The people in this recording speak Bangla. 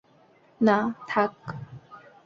না, থাক।